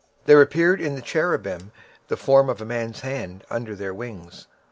26:010:008 And there appeared in the cherubims the form of a man's hand under their wings.